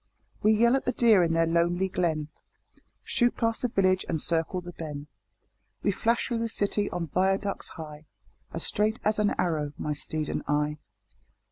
We yell at the deer in their lonely glen, Shoot past the village and circle the Ben, We flash through the city on viaducts high, As straight as an arrow, my steed and I.